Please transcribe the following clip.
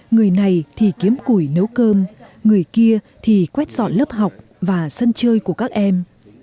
người này thì kiếm củi nấu cơm người kia thì quét dọn lớp học và sân chơi của các em